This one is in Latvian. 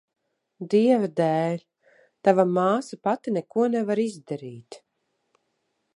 Dieva dēļ, tava māsa pati neko nevar izdarīt.